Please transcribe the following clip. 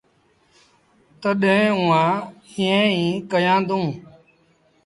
تڏهيݩٚ اُئآݩٚ ايٚئيٚنٚ ئيٚ ڪيآݩدوݩٚ